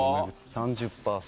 ３０％